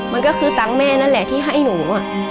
มันก็คือตังค์แม่นั่นแหละที่ให้หนู